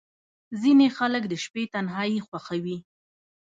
• ځینې خلک د شپې تنهايي خوښوي.